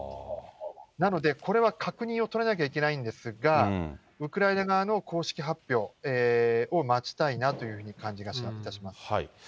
なので、これは確認を取らなきゃいけないんですが、ウクライナ側の公式発表を待ちたいなという感じがいたします。